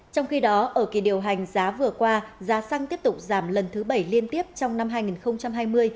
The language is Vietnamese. trong khi đó ở kỳ điều hành giá vừa qua giá xăng tiếp tục giảm lần thứ bảy liên tiếp trong năm hai nghìn hai mươi